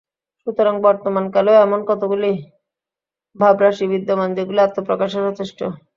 সুতরাং বর্তমান কালেও এমন কতকগুলি ভাবরাশি বিদ্যমান, যেগুলি আত্মপ্রকাশে সচেষ্ট।